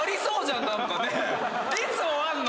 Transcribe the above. いつ終わんの？